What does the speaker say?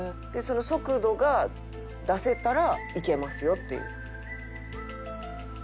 速度が出せたらいけますよっていう。